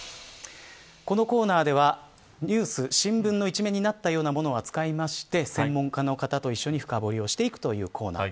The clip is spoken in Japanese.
このコーナーではニュース、新聞の一面になったようなものを扱いまして専門家の方と一緒に深堀りをしていくコーナー。